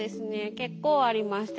結構ありました。